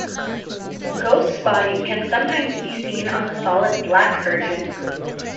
Ghost spotting can sometimes be seen on the solid black version.